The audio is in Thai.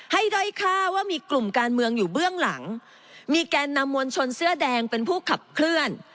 ด้อยค่าว่ามีกลุ่มการเมืองอยู่เบื้องหลังมีแกนนำมวลชนเสื้อแดงเป็นผู้ขับเคลื่อน